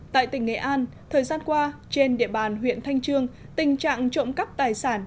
tại tỉnh nghệ an thời gian qua trên địa bàn huyện thanh trương tình trạng trộm cắp tài sản